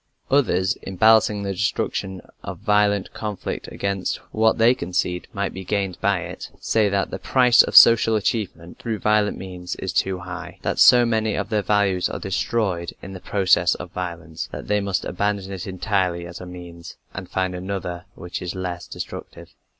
Others, in balancing the destruction of violent conflict against what they concede might be gained by it, say that the price of social achievement through violent means is too high that so many of their values are destroyed in the process of violence that they must abandon it entirely as a means, and find another which is less destructive.